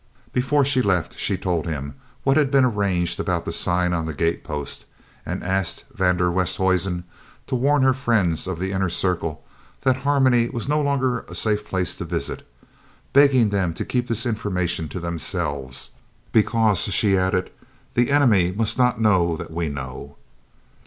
Before she left she told him what had been arranged about a sign on the gatepost and asked van der Westhuizen to warn her friends of the "inner circle" that Harmony was no longer a safe place to visit, begging them to keep this information to themselves, "because," she added, "the enemy must not know that we know."